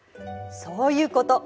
そういうこと。